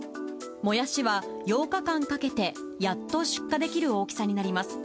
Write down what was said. もやしは８日間かけて、やっと出荷できる大きさになります。